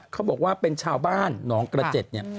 เขาบอกว่าเป็นชาวบ้านหนองกระเจ็ดเนี่ย